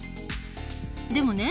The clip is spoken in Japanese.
でもね